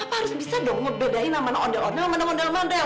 papa harus bisa dong bedain mana ondel ondel mana model model